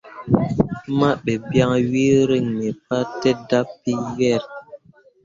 Mahɓe biaŋ wee reŋ mi pate dapii weere.